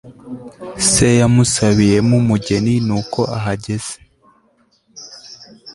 se yamusabiyemo umugeni nuko ahageze